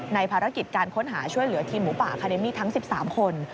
ภารกิจการค้นหาช่วยเหลือทีมหมูป่าคาเดมี่ทั้ง๑๓คน